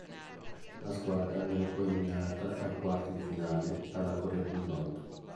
La squadra venne poi eliminata ai quarti di finale dalla Corea del Nord.